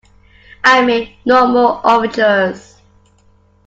I made no more overtures.